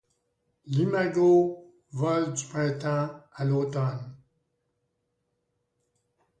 L'imago vole du printemps à l'automne.